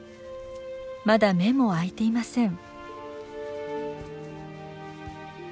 まだ目も開いていません。